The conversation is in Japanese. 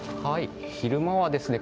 昼間はですね